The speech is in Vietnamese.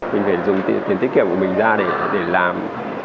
mình phải dùng tiền tiết kiệm của mình ra để làm